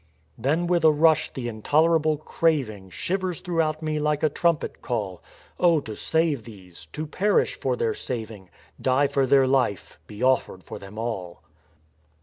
" Then with a rush the intolerable craving Shivers throughout me like a trumpet call, — Oh to save these ! to perish for their saving, Die for their life, be offered for them all